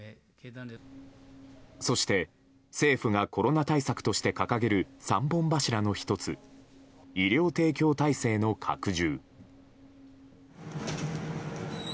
そして、政府がコロナ対策として掲げる３本柱の１つ医療提供体制の拡充。